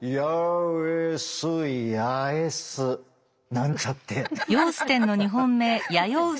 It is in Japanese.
なんちゃって。